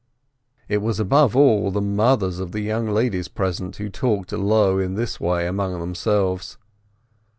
It was above all the mothers of the young ladies present who talked low in this way among themselves.